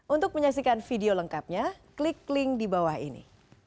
untuk menyaksikan video lengkapnya klik link di bawah ini